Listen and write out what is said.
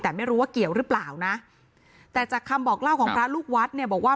แต่ไม่รู้ว่าเกี่ยวหรือเปล่านะแต่จากคำบอกเล่าของพระลูกวัดเนี่ยบอกว่า